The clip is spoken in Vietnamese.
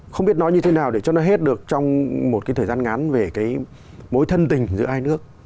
không biết nói như thế nào để cho nó hết được trong một cái thời gian ngắn về cái mối thân tình giữa hai nước